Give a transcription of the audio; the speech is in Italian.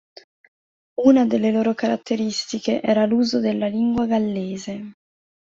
Una delle loro caratteristiche era l'uso della lingua gallese.